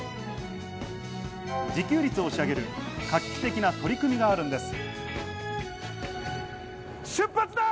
自給率を押し上げる画期的な取り組みがあるんです。